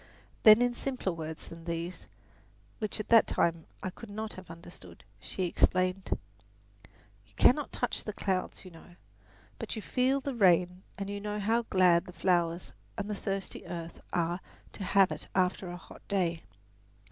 Then in simpler words than these, which at that time I could not have understood, she explained: "You cannot touch the clouds, you know; but you feel the rain and know how glad the flowers and the thirsty earth are to have it after a hot day.